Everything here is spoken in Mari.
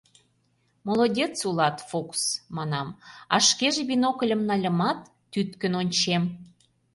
— Молодец улат, Фукс, — манам, а шкеже, бинокльым нальымат, тӱткын ончем.